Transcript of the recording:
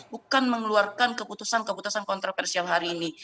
bukan mengeluarkan keputusan keputusan kontroversial hari ini